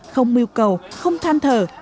không mưu cầu không than thở